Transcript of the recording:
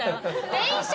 電車！